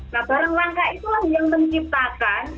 nah barang langka itulah yang menciptakan